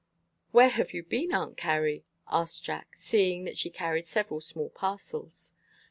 "Where have you been, Aunt Carrie?" asked Jack, seeing that she carried several small parcels.